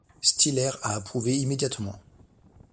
Stiller a approuvé immédiatement.